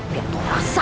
biar tuh rasa